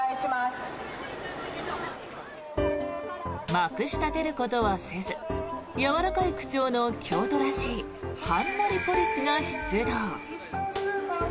まくし立てることはせずやわらかい口調の、京都らしいはんなりポリスが出動。